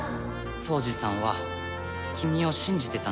ソウジさんは君を信じてたんだよ。